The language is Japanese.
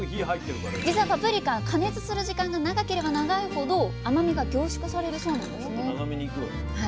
じつはパプリカは加熱する時間が長ければ長いほど甘みが凝縮されるそうなんですね。